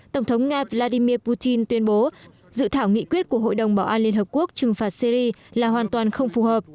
tổng thống nga vladimir putin tuyên bố dự thảo nghị quyết của hội đồng bảo an liên hợp quốc trừng phạt syri là hoàn toàn không phù hợp